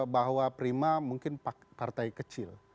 bahwa prima mungkin partai kecil